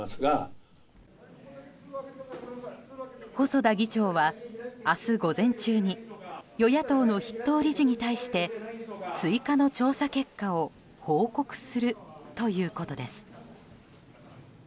細田議長は明日午前中に与野党の筆頭理事に対して追加の調査結果を報告するということです。